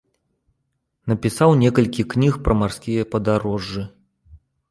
Напісаў некалькі кніг пра марскія падарожжы.